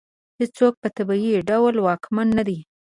هېڅوک په طبیعي ډول واکمن نه دی.